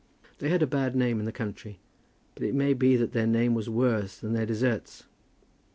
They had a bad name in the country; but it may be that their name was worse than their deserts.